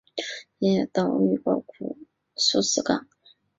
这些岛屿包括苏斯港。